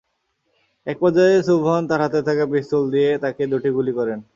একপর্যায়ে সুবহান তাঁর হাতে থাকা পিস্তল দিয়ে তাঁকে দুটি গুলি করেন।